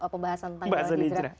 pembahasan tentang hijrah